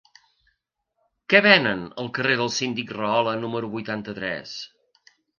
Què venen al carrer del Síndic Rahola número vuitanta-tres?